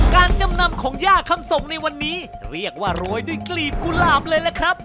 จำนำของย่าคำส่งในวันนี้เรียกว่าโรยด้วยกลีบกุหลาบเลยล่ะครับ